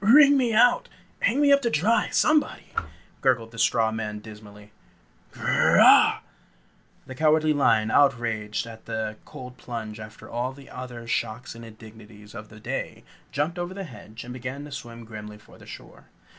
"Wring me out! Hang me up to dry, somebody!" gurgled the straw man dismally. "Grrr rah!" The Cowardly Lion, outraged at the cold plunge after all the other shocks and indignities of the day, jumped over the hedge and began to swim grimly for the shore.